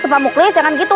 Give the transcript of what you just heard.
pamuklis jangan gitu